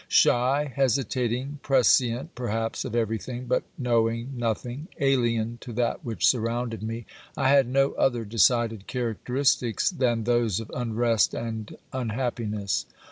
Shy, hesitating, prescient perhaps of everything, but knowing nothing, alien to that which surrounded me, I had no other decided characteristics than those of unrest and unhappiness.